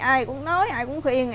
ai cũng nói ai cũng khuyên em